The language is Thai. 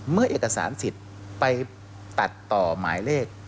เมื่อเอกสารสิทธิ์ไปตัดต่อหมายเลข